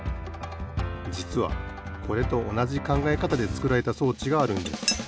じつはこれとおなじかんがえかたで作られた装置があるんです。